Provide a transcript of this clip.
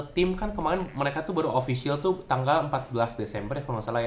tim kan kemarin mereka tuh baru official tuh tanggal empat belas desember ya kalau nggak salah ya